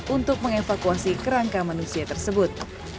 untuk mengevakuasi kerangka manusia tersebut